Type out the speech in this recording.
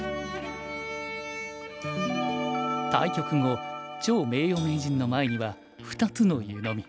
対局後趙名誉名人の前には２つの湯飲み。